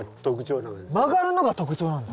曲がるのが特徴なんだ。